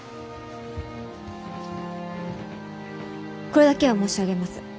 これだけは申し上げます。